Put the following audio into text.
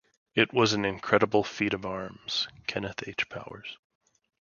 It was an incredible feat of arms... - Kenneth H. Powers.